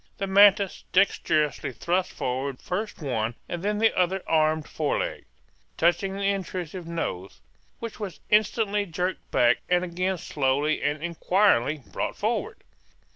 The mantis dexterously thrust forward first one and then the other armed fore leg, touching the intrusive nose, which was instantly jerked back and again slowly and inquiringly brought forward.